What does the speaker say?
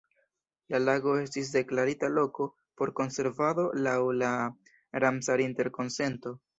La lago estis deklarita loko por konservado laŭ la Ramsar-Interkonsento.